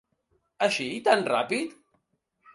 Així, tan ràpid?